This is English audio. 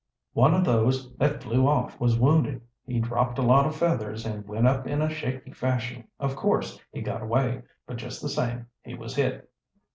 "One of those that flew off was wounded. He dropped a lot of feathers and went up in a shaky fashion. Of course, he got away, but just the same, he was hit."